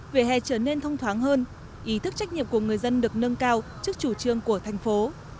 về hè trở nên thông thoáng hơn ý thức trách nhiệm của người dân được nâng cao trước chủ trương của thành phố